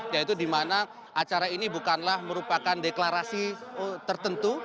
yaitu di mana acara ini bukanlah merupakan deklarasi tertentu